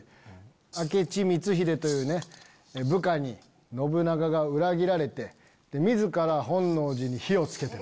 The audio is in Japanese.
明智光秀という部下に信長が裏切られて自ら本能寺に火を付けてね。